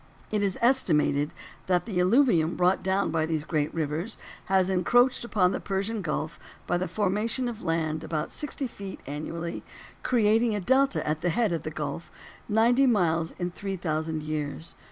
It is estimated that the alluvium brought down by these great rivers has encroached upon the Persian Gulf by the formation of land about sixty feet annually, creating a delta at the head of the gulf of ninety miles in three thousand years.